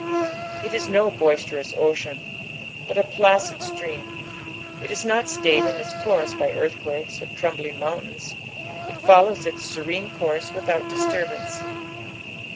It ia no boisterous ocean, but a placid stream, it ia not Bts;ed in its courHi by earthquakes or crumbling mountains, it follows its serene course without diaturbance.